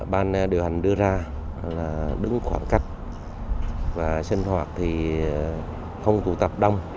ban điều hành đưa ra là đứng khoảng cách và sinh hoạt thì không tụ tập đông